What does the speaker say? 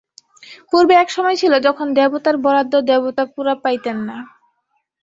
পূর্বে এক সময় ছিল যখন দেবতার বরাদ্দ দেবতা পুরা পাইতেন না।